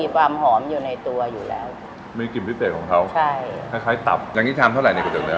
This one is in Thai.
ก็ลองนะมามอะไรอย่างนี้นะมามอย่างชิ้นมามมามก็อร่อยชิ้นดำ